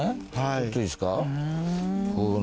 ちょっといいですか？